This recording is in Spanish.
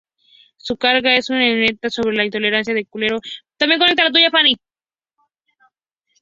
Su carga es una invectiva sobre la intolerancia del clero presbiteriano entonces dominante.